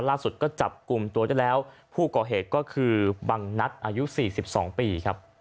ล่าสุดก็จับกลุ่มตัวได้แล้วผู้ก่อเหตุก็คือบังนัดอายุ๔๒ปีครับ